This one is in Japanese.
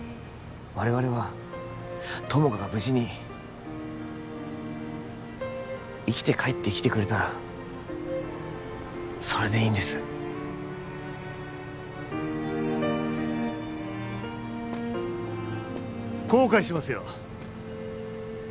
我々は友果が無事に生きて帰ってきてくれたらそれでいいんです後悔しますよ